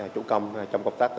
chủ công trong công tác